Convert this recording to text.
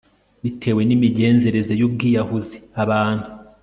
bitewe nimigenzereze yubwiyahuzi abantu